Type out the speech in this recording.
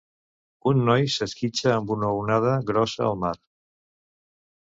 Un noi s'esquitxa amb una onada grossa al mar.